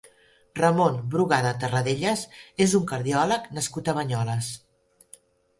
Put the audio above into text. Ramon Brugada Terradellas és un cardiòleg nascut a Banyoles.